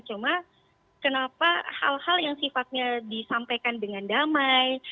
cuma kenapa hal hal yang sifatnya disampaikan dengan damai